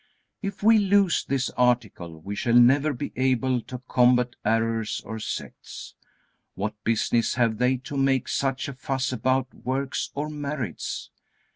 If we lose this article we shall never be able to combat errors or sects. What business have they to make such a fuss about works or merits?